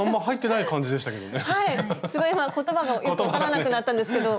すごい今言葉がよく分からなくなったんですけど。